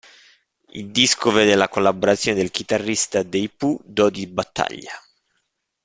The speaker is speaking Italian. Il disco vede la collaborazione del chitarrista dei Pooh Dodi Battaglia.